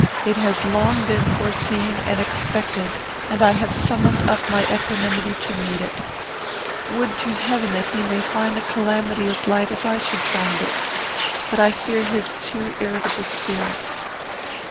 It has long been foreseen and expected, and I have summoned up my equanimity to meet it. Would to Heaven he may find the calamity as light as I should find it! but I fear his too irritable spirit."